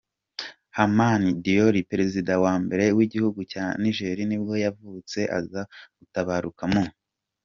Hamani Diori, perezida wa mbere w’igihugu cya Niger nibwo yavutse, aza gutabaruka mu .